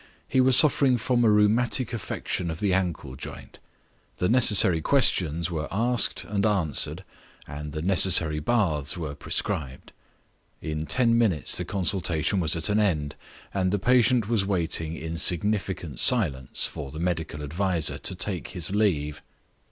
He was suffering from a rheumatic affection of the ankle joint. The necessary questions were asked and answered and the necessary baths were prescribed. In ten minutes the consultation was at an end, and the patient was waiting in significant silence for the medical adviser to take his leave.